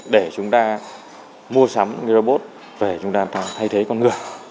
để chúng ta mua sắm robot về chúng ta thay thế con người